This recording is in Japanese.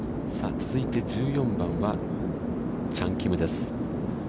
続いて１４番は、チャン・キムです。